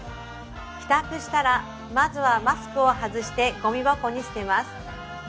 帰宅したらまずはマスクを外してごみ箱に捨てます